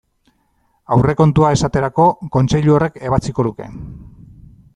Aurrekontua, esaterako, Kontseilu horrek ebatziko luke.